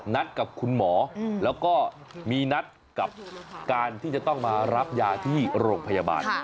นัดกับคุณหมอแล้วก็มีนัดกับการที่จะต้องมารับยาที่โรงพยาบาล